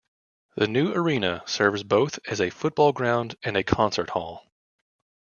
The new arena serves both as a football ground and a concert hall.